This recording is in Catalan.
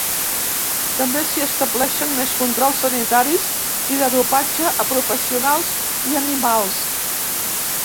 També s’hi estableixen més controls sanitaris i de dopatge a professionals i animals.